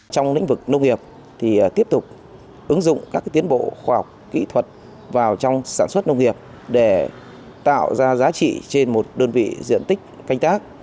trong lĩnh vực nông nghiệp thì tiếp tục ứng dụng các tiến bộ khoa học kỹ thuật vào trong sản xuất nông nghiệp để tạo ra giá trị trên một đơn vị diện tích canh tác